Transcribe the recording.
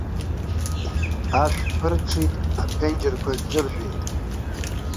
Ашә ԥырҽит, аԥенџьырқәа ҿыржәеит.